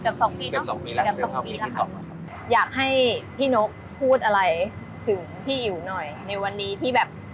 บ้านหลังแรกแถวไหนคะ